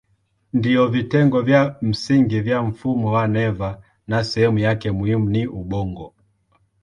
Ndiyo vitengo vya msingi vya mfumo wa neva na sehemu yake muhimu ni ubongo.